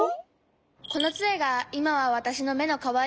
このつえがいまはわたしのめのかわり。